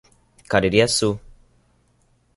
Caririaçu